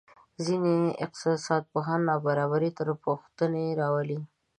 ځینې اقتصادپوهان نابرابري تر پوښتنې راولي.